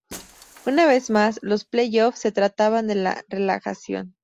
Una vez más, los play-offs se trataban de la relegación.